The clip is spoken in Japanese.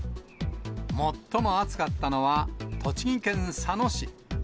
最も暑かったのは、栃木県佐野市。